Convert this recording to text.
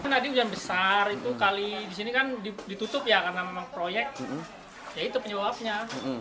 tadi hujan besar itu kali di sini kan ditutup ya karena memang proyek ya itu penyebabnya